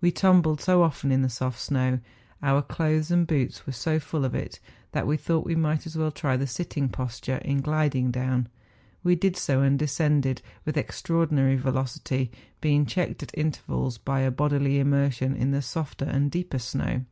We tumbled so often in the soft snow, and our clothes and boots were so full of it, that we thought we might as well try the sitting posture in gliding down. We did so, and descended with extraordinary velocity, being checked at intervals by a bodily immersion in the softer and deeper snow.